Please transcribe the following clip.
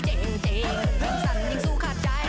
จริงจริงยิ่งสั่นยิ่งสู้ขาดใจ